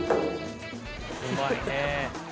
「うまいね」